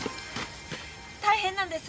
大変なんです。